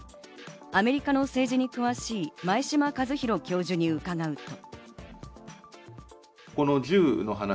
アメリカの政治に詳しい前嶋和弘教授に伺うと。